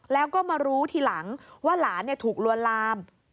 แล้วก็มารู้ทีหลังว่าหลานถูกลวนลาม